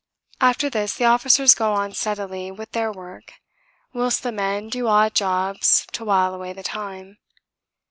After this the officers go on steadily with their work, whilst the men do odd jobs to while away the time.